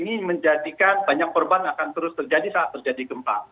ini menjadikan banyak korban akan terus terjadi saat terjadi gempa